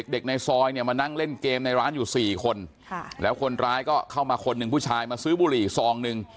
ในซอยเนี่ยมานั่งเล่นเกมในร้านอยู่๔คนแล้วคนร้ายก็เข้ามาคนหนึ่งผู้ชายมาซื้อบุหรี่อีกซองหนึ่ง